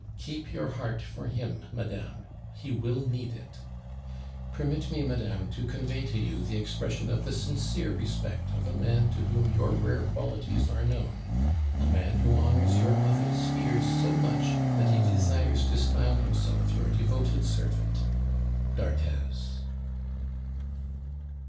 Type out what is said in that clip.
Keep your heart for him, madame; he will need it. "Permit me, madame, to convey to you the expression of the sincere respect of a man to whom your rare qualities are known, a man who honors your mother's fears so much, that he desires to style himself your devoted servant, "D'ARTHEZ."